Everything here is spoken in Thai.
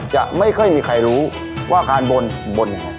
จะไม่เคยมีใครรู้ว่าการบ่นบ่นอย่างไร